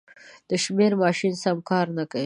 د شمېر ماشین سم کار نه کوي.